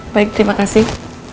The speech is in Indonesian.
baik terima kasih